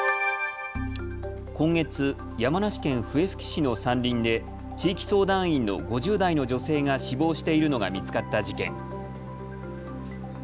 今月、山梨県笛吹市の山林で地域相談員の５０代の女性が死亡しているのが見つかった事件。